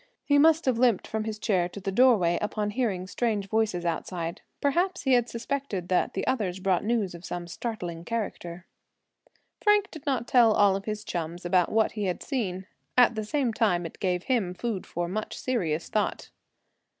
He must have limped from his chair to the doorway upon hearing strange voices outside. Perhaps he had suspected that the others brought news of some startling character. Frank did not tell all of his chums about what he had seen. At the same time it gave him food for much serious thought.